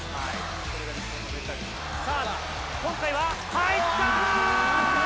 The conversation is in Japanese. さあ、今回は、入った！